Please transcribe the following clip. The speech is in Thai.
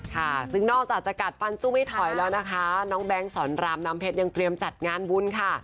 ค่ะซึ่งนอกจากจะกัดฟันสู้ไม่ถอยแล้วนะคะน้องแบงค์สอนรามน้ำเพชรยังเตรียมจัดงานบุญค่ะ